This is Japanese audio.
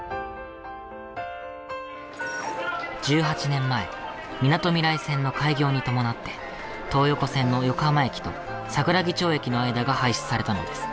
１８年前みなとみらい線の開業に伴って東横線の横浜駅と桜木町駅の間が廃止されたのです。